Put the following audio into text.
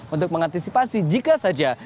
untuk mengantisipasi jika saja